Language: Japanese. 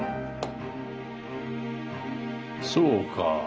そうか。